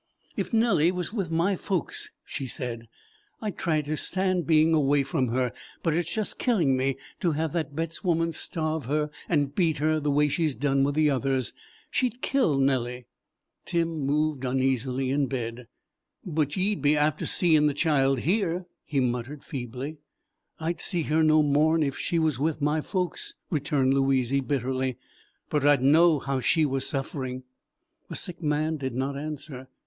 "If Nellie was with my folks," she said, "I'd try to stand being away from her; but it's just killing me to have that Betts woman starve her and beat her the way she's done with the others. She'd kill Nellie." Tim moved uneasily in bed. "But ye'd be after seein' the child here," he muttered feebly. "I'd see her no more'n if she was with my folks," returned Louizy bitterly; "but I'd know how she was suffering." The sick man did not answer.